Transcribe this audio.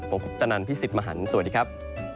ผมคุปตนันพี่สิทธิ์มหันฯสวัสดีครับ